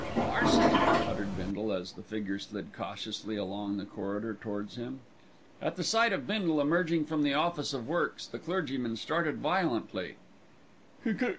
"Parson," muttered Bindle, as the figure slid cautiously along the corridor towards him. At the sight of Bindle emerging from the Office of Works the clergyman started violently.